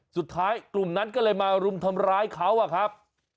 สุดท้ายกลุ่มนั้นก็เลยมารุมทำร้ายเขาอะครับ